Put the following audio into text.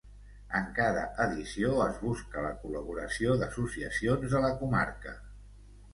En cada edició es busca la col·laboració d'associacions de la comarca.